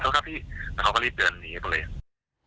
ขอโทษครับพี่แต่เขาก็รีบเดินหนีไปตรงนี้